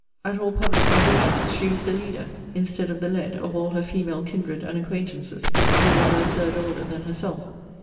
At all public diversions, she was the leader, instead of the led, of all her female kindred and acquaintances, though they were a third older than herself.